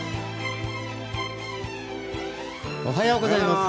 おはようございます。